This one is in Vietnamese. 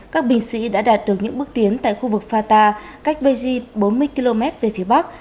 các binh sĩ đã đạt được những bước tiến tại khu vực fata cách beji bốn mươi km về phía bắc